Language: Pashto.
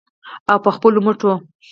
او په خپلو مټو.